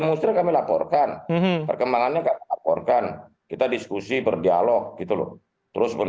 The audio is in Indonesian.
muslim kami laporkan perkembangannya laporkan kita diskusi berdialog gitu loh terus menerus